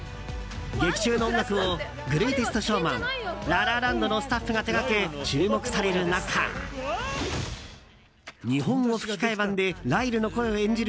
劇中の音楽を「グレイテスト・ショーマン」「ラ・ラ・ランド」のスタッフが手掛け注目される中日本語吹き替え版でライルの声を演じる